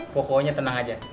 pokoknya tenang aja